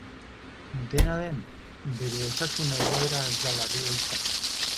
Dena den, bere osasun egoera ez da larria izan.